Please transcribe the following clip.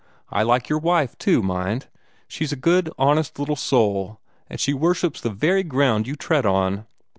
I like your wife, too, mind. She's a good, honest little soul, and she worships the very ground you tread on.